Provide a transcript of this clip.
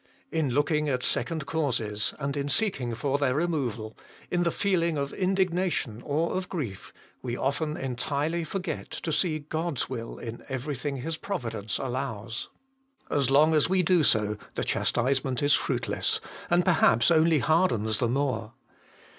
In looking at second causes, HOLINESS AND CHASTISEMENT. 257 and in seeking for their removal, in the feeling of indignation or of grief, we often entirely for get to see God's will in everything His Providence allows. As long as we do so, the chastisement is fruitless ; and perhaps only hardens the more.